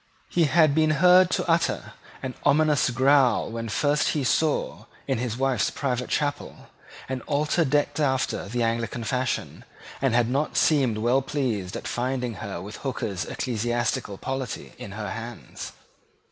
He had been heard to utter an ominous growl when first he saw, in his wife's private chapel, an altar decked after the Anglican fashion, and had not seemed well pleased at finding her with Hooker's Ecclesiastical Polity in her hands.